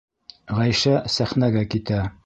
Ғәйшә сәхнәгә китә.